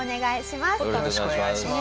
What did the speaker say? よろしくお願いします。